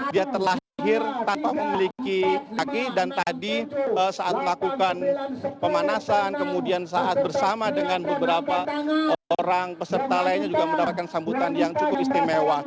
dia terlahir tanpa memiliki kaki dan tadi saat melakukan pemanasan kemudian saat bersama dengan beberapa orang peserta lainnya juga mendapatkan sambutan yang cukup istimewa